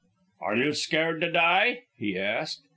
"Are you scared to die?" he asked.